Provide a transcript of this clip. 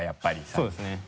そうですね。